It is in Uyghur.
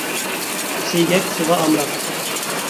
سىيگەك سۇغا ئامراق.